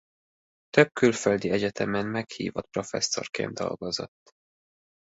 Több külföldi egyetemen meghívott professzorként dolgozott.